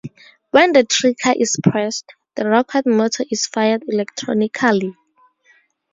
When the trigger is pressed, the rocket motor is fired electronically.